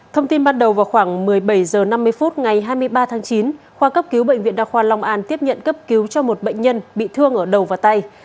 thông tin ban đầu vào khoảng một mươi bảy h năm mươi phút ngày hai mươi ba tháng chín khoa cấp cứu bệnh viện đa khoa long an tiếp nhận cấp cứu cho một bệnh nhân bị thương ở đầu và tay